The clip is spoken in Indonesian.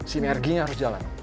sinerginya harus jalan